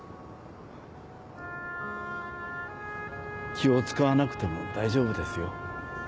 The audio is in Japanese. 気を使わなくても大丈夫ですよ。